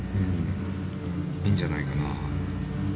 いいんじゃないかな。